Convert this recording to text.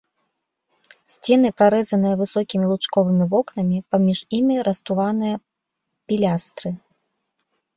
Сцены прарэзаныя высокімі лучковымі вокнамі, паміж імі руставаныя пілястры.